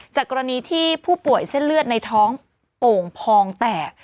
กรณีที่ผู้ป่วยเส้นเลือดในท้องโป่งพองแตก